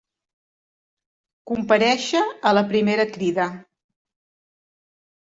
Comparèixer a la primera crida.